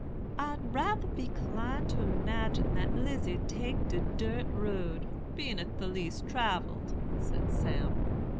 "'I'd rather be 'clined to 'magine that Lizy'd take der dirt road, bein' it's the least travelled,' said Sam.